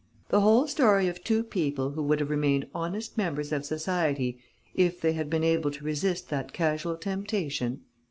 The whole story of two people who would have remained honest members of society, if they had been able to resist that casual temptation?...